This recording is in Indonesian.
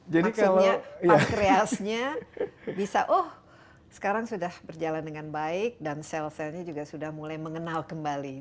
maksudnya pankreasnya bisa oh sekarang sudah berjalan dengan baik dan sel selnya juga sudah mulai mengenal kembali